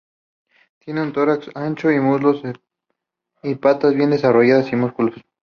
Tiene un tórax ancho, muslos y patas bien desarrollados y musculosos.